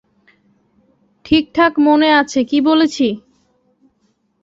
ঠিকঠাক মনে আছে কী বলেছি?